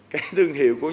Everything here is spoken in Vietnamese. cái thương hiệu của nhau